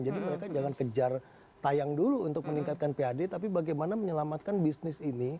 mereka jangan kejar tayang dulu untuk meningkatkan pad tapi bagaimana menyelamatkan bisnis ini